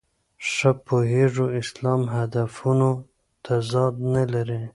ښه پوهېږو اسلام هدفونو تضاد نه لري.